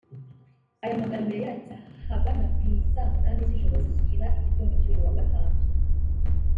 Aya magambo yayanditse ahagana ku isaa munani z'ijoro zishyira igitondo cy'uyu wa Gatanu